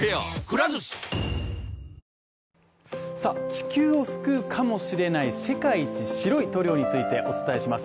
地球を救うかもしれない世界一白い塗料についてお伝えします。